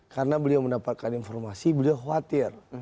karena beliau mendapatkan informasi beliau khawatir